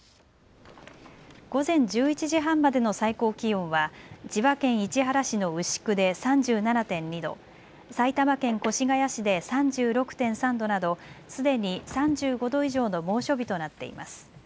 午前１１時半までの最高気温は千葉県市原市の牛久で３７．２度、埼玉県越谷市で３６．３度などすでに３５度以上の猛暑日となっています。